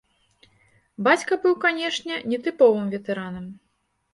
Бацька быў, канечне, нетыповым ветэранам.